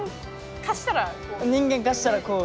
人間化したらこう。